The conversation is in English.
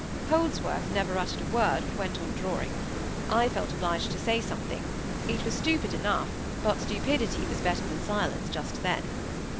Holdsworth never uttered a word, but went on drawing. I felt obliged to say something; it was stupid enough, but stupidity was better than silence just then.